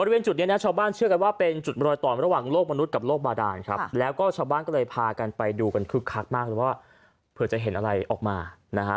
บริเวณจุดนี้นะชาวบ้านเชื่อกันว่าเป็นจุดรอยต่อระหว่างโลกมนุษย์กับโลกบาดานครับแล้วก็ชาวบ้านก็เลยพากันไปดูกันคึกคักมากเลยว่าเผื่อจะเห็นอะไรออกมานะฮะ